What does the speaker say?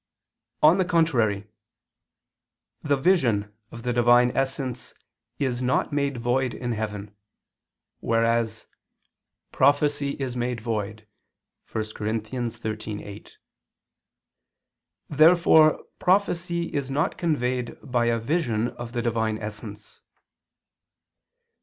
On the contrary, The vision of the Divine essence is not made void in heaven; whereas "prophecy is made void" (1 Cor. 13:8). Therefore prophecy is not conveyed by a vision of the Divine essence.